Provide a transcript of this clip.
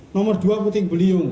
nomor dua puting beliung